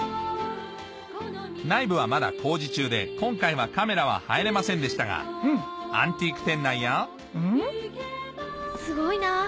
で今回はカメラは入れませんでしたがアンティーク店内やうん？すごいなぁ！